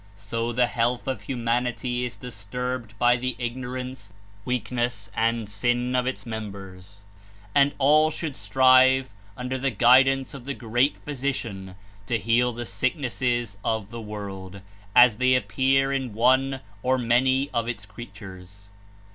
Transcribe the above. So the health of humanity Is disturbed by the Ignorance, weakness and sin of Its members, and all should strive, under the guidance of the Great Physician, to heal the sicknesses of the world as they appear in one or many of its creatures.